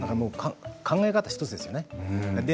考え方１つですね。